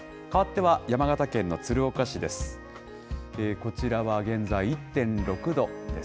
かわっては山形県の鶴岡市です。